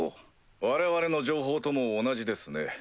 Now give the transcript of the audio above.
我々の情報とも同じですね。